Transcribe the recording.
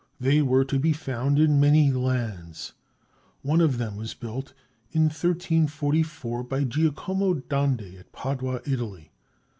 They were to be found in many lands. One of them was built, in 1344, by Giacomo Dondi at Padua, Italy.